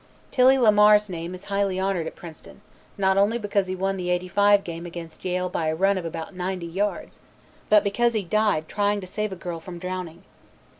Tilly Lamar's name is highly honored at Princeton, not only because he won the '85 game against Yale by a run of about 90 yards, but because he died trying to save a girl from drowning.